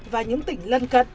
và những tỉnh lân cận